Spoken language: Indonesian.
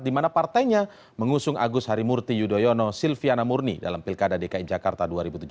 di mana partainya mengusung agus harimurti yudhoyono silviana murni dalam pilkada dki jakarta dua ribu tujuh belas